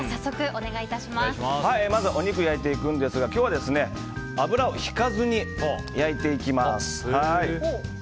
まずお肉を焼いていくんですが油をひかずに焼いていきます。